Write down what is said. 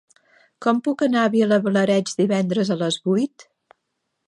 Com puc anar a Vilablareix divendres a les vuit?